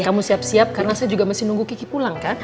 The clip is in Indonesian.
kamu siap siap karena saya juga masih nunggu kiki pulang kan